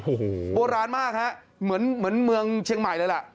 โอ้โหโบราณมากฮะเหมือนเมืองเชียงใหม่เลยล่ะ